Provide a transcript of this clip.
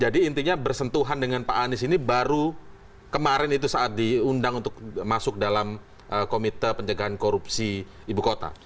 jadi intinya bersentuhan dengan pak anies ini baru kemarin saat diundang untuk masuk dalam komite penjagaan korupsi ibu kota